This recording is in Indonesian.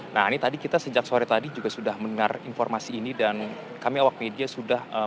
nah ini tadi kita sejak sore tadi juga sudah mendengar informasi ini dan kami awak media sudah